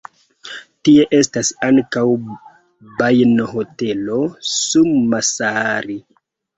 Tie estas ankaŭ bajenohotelo Summassaari.